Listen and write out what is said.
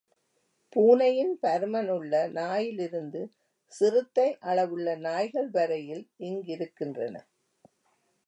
பூனையின் பருமனுள்ள நாயிலிருந்து சிறுத்தை அளவுள்ள நாய்கள் வரையில் இங்கிருக்கின்றன.